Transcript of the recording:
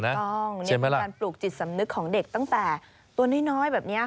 ถูกต้องการปลูกจิตสำนึกของเด็กตั้งแต่ตัวน้อยแบบนี้